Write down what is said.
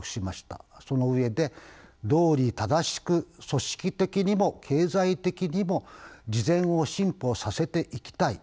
その上で「道理正しく組織的にも経済的にも慈善を進歩させていきたい。